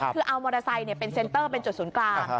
คือเอามอเตอร์ไซค์เป็นเซ็นเตอร์เป็นจุดศูนย์กลาง